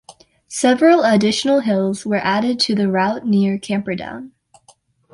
Several additional hills were added to the route near Camperdown.